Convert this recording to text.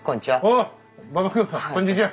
おお馬場君こんにちは。